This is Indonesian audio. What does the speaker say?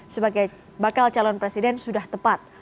sebagai bakal calon presiden sudah tepat